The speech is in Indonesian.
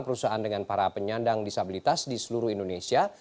perusahaan dengan para penyandang disabilitas di seluruh indonesia